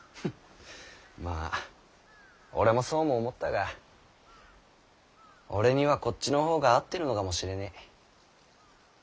まぁ俺もそうも思ったが俺にはこっちの方が合ってるのかもしれねぇ。